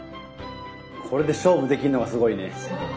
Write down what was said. これで勝負できるのがすごいね。